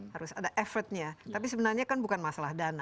harus ada effortnya tapi sebenarnya kan bukan masalah dana